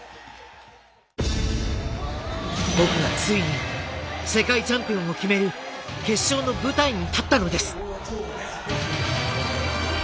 僕はついに世界チャンピオンを決める決勝の舞台に立ったのです！